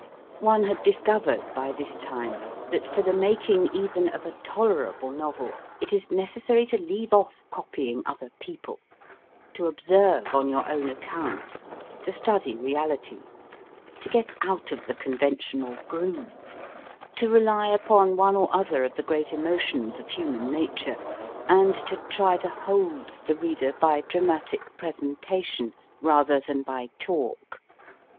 One had discovered by this time that for the making even of a tolerable novel it is necessary to leave off copying other people, to observe on your own account, to study realities, to get out of the conventional groove, to rely upon one or other of the great emotions of human nature, and to try to hold the reader by dramatic pre sentation rather than by talk.